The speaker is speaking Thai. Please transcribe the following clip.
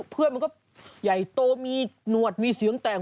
เพื่อนมันก็ใหญ่โตมีหนวดมีเสียงแตก